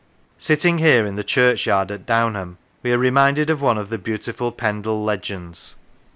Sitting here in the churchyard at Downham, we are reminded of one of the beautiful Pendle legends.